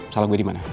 salah gue dimana